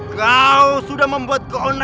kau sudah membuat